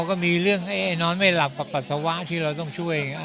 ก็มีเรื่องให้นอนไม่หลับกับปัสสาวะที่เราต้องช่วย